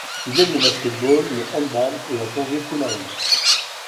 Il aime le basket-ball, le handball et la plongée sous-marine.